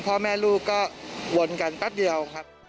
พ่อแม่ลูกก็วนกันแป๊บเดียวครับ